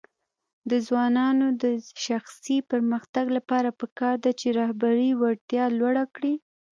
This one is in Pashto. د ځوانانو د شخصي پرمختګ لپاره پکار ده چې رهبري وړتیا لوړه کړي.